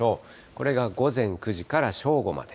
これが午前９時から正午まで。